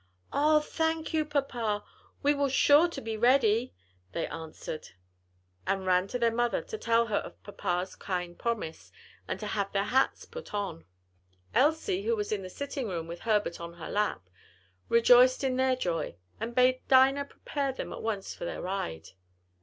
"Oh, thank you, papa! we'll be sure to be ready," they answered, and ran in to their mother to tell her of papa's kind promise, and to have their hats put on. Elsie, who was in the sitting room with Herbert on her lap, rejoiced in their joy, and bade Dinah prepare them at once for their ride.